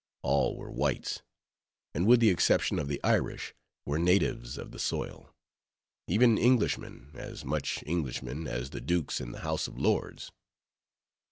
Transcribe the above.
All were whites; and with the exception of the Irish, were natives of the soil: even Englishmen; as much Englishmen, as the dukes in the House of Lords.